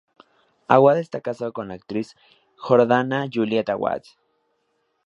Awad está casado con la actriz jordana Juliette Awad.